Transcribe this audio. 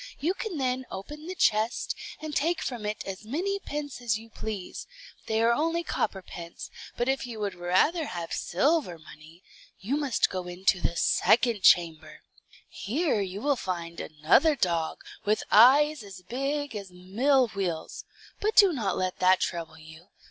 You can then open the chest, and take from it as many pence as you please, they are only copper pence; but if you would rather have silver money, you must go into the second chamber. Here you will find another dog, with eyes as big as mill wheels; but do not let that trouble you.